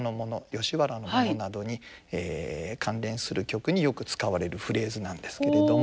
吉原のものなどに関連する曲によく使われるフレーズなんですけれども。